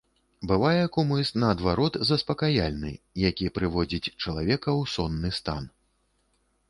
Бывае кумыс, наадварот, заспакаяльны, які прыводзіць чалавека ў сонны стан.